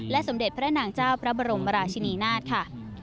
สมเด็จพระนางเจ้าพระบรมราชินีนาฏค่ะ